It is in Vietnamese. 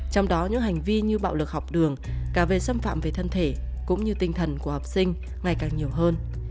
trong đó những hành vi như bạo lực học đường cả về xâm phạm về thân thể cũng như tinh thần của học sinh ngày càng nhiều hơn